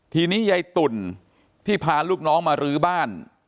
ทีนี้ยายตุ่นที่พาลูกน้องมารื้อบ้าน